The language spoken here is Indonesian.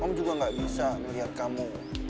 om juga gak bisa ngeliat kamu